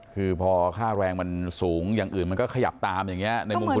คือพอค่าแรงมันสูงอย่างอื่นมันก็ขยับตามอย่างนี้ในมุมคุณ